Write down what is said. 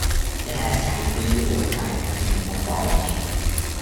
It has type B or type D morphology.